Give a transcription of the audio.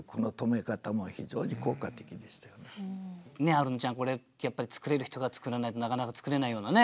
アルノちゃんこれやっぱり作れる人が作らないとなかなか作れないようなね。